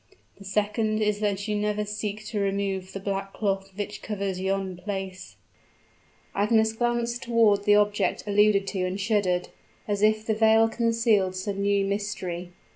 The second is that you never seek to remove the black cloth which covers yon place " Agnes glanced toward the object alluded to and shuddered as if the veil concealed some new mystery.